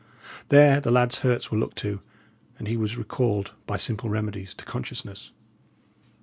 There the lad's hurts were looked to; and he was recalled, by simple remedies, to consciousness.